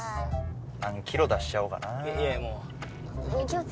何キロ出しちゃおうかな。